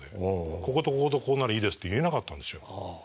こことこことここならいいですって言えなかったんですよ。